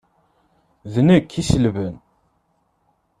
D nekk ay iselben.